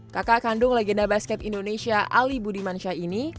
kakak kandung legenda basket indonesia ali budimansyah ini